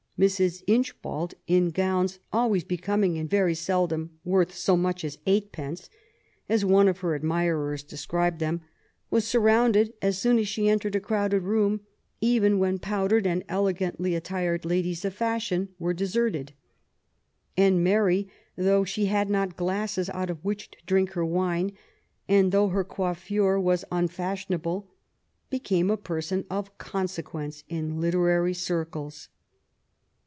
Mrs. Inchbald, in gowns *' always becoming, and very ^seldom worth so much as eightpence/^ as one of her admirers described them, was surrounded as soon as «he entered a crowded room, even when powdered and elegantly attired ladies of fashion were deserted. And Mary, though she had not glasses out of which to drink her wine, and though her coiflfure was un fashionable, became a person of consequence in literary circles.